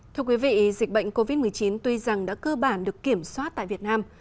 thưa quý vị dịch bệnh covid một mươi chín tuy rằng đã cơ bản được kiểm soát tại việt nam